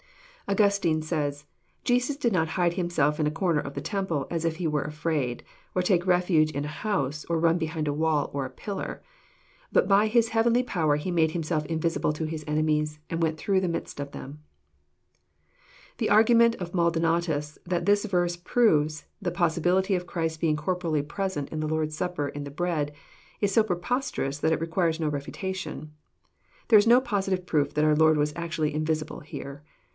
Augustine says :" Jesus did not hide Himself In a comer of the temple as if He were afraid, or take refuge in a house, or run behind a wall or a pillar; but by His heavenly power He made Himself invisible to His enemies, and went through the midst of them." The argument of Maldonatus, that this verse proves the pos sibility of Christ being corporally present in the Lord's Supper in the bread, is so preposterous that it requires no refutation. There is no positive proof that our Lord was actually invisible here.